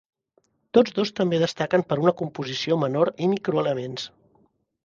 Tots dos també destaquen per una composició menor i microelements.